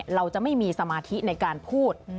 เราจะไม่มีสมาธิในการพูด